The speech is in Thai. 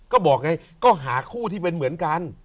ก็บอกไงก็หาคู่ที่เป็นเหมือนกัน